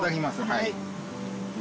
はい。